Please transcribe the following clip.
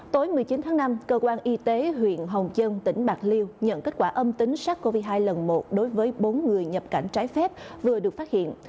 tối một mươi chín tháng năm cơ quan y tế huyện hồng dân tỉnh bạc liêu nhận kết quả âm tính sars cov hai lần một đối với bốn người nhập cảnh trái phép vừa được phát hiện